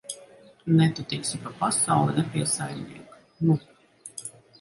Ne tu tiksi pa pasauli, ne pie saimnieka, nu!